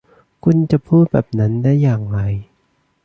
คุณจะพูดแบบนั้นได้อย่างไร ?